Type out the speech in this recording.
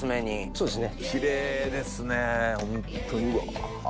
そうですね。